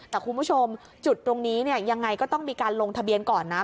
แต่คุณผู้ชมจุดตรงนี้เนี่ยยังไงก็ต้องมีการลงทะเบียนก่อนนะ